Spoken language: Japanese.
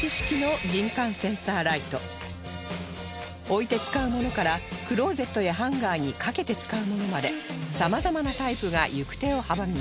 置いて使うものからクローゼットやハンガーに掛けて使うものまで様々なタイプが行く手を阻みます